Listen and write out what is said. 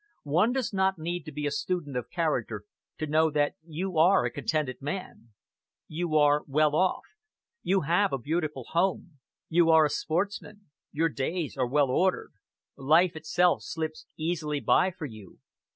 One does not need to be a student of character to know that you are a contented man. You are well off. You have a beautiful home, you are a sportsman, your days are well ordered, life itself slips easily by for you.